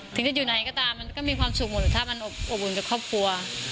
ถึงจะอยู่ไหนก็ตามมันก็มีความสุขหมดถ้ามันอบอุ่นกับครอบครัว